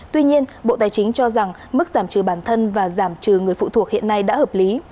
tuy nhiên bộ tài chính cho rằng mức giảm trừ bản thân và giảm trừ người phụ thuộc hiện nay đã hợp lý